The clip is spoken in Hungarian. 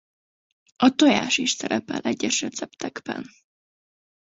A tojás is szerepel egyes receptekben.